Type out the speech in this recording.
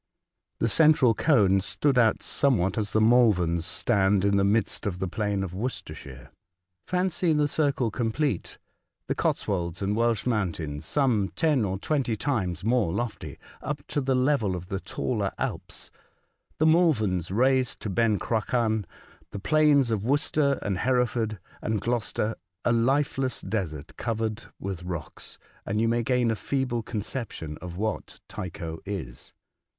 The cen tral cones stood out somewhat as the Malverns stand in the midst of the plain of Worcester The Mysterious Document, 67 shire. Fancy tlie circle complete — the Cots wolds and Welsh mountains some ten or twenty times more lofty — up to the level of the taller Alps ; the Malverns raised to Ben Cruachan ; the plains of Worcester and Hereford and Gloucester a lifeless desert covered with rocks, and you may gain a feeble conception of what Tycho is.